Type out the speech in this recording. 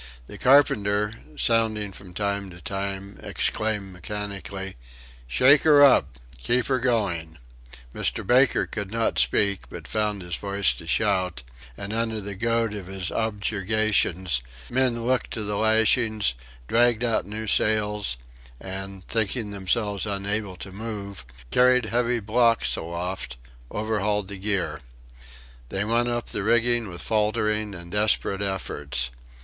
The carpenter, sounding from time to time, exclaimed mechanically: "Shake her up! Keep her going!" Mr. Baker could not speak, but found his voice to shout; and under the goad of his objurgations, men looked to the lashings, dragged out new sails; and thinking themselves unable to move, carried heavy blocks aloft overhauled the gear. They went up the rigging with faltering and desperate efforts.